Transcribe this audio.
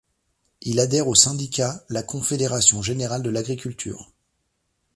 Il adhère au syndicat la Confédération générale de l'agriculture.